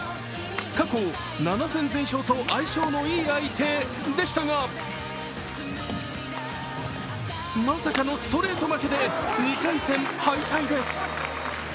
過去７戦全勝と相性のいい相手でしたがまさかのストレート負けで２回戦敗退です。